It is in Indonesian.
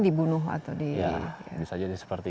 dibunuh atau di ya bisa jadi seperti